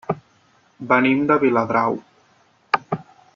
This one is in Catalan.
Venim de Viladrau.